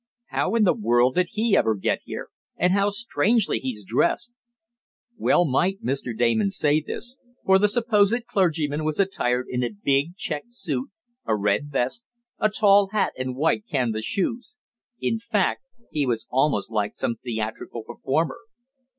How in the world did he ever get here? And how strangely he's dressed!" Well might Mr. Damon say this, for the supposed clergyman was attired in a big checked suit, a red vest, a tall hat and white canvas shoes. In fact he was almost like some theatrical performer.